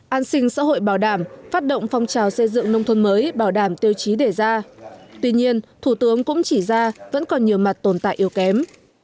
an sinh xã hội bảo đảm phát động phong trào xây dựng nông thôn mới bảo đảm tiêu chí đề ra tuy nhiên thủ tướng cũng chỉ ra vẫn còn nhiều mặt tồn tại yếu kém